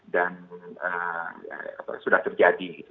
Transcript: dan sudah terjadi